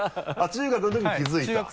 中学のときに気づいた？